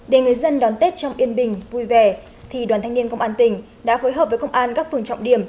để người dân đón tết trong yên bình vui vẻ thì đoàn thanh niên công an tỉnh đã phối hợp với công an các phường trọng điểm